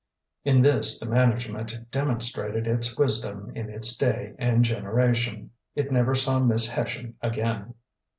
In this the management demonstrated its wisdom in its day and generation: it never saw Miss Hession again.